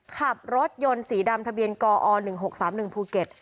ขับรถยนต์สีดำทะเบียนกอ๑๖๓๑ภูเก็ต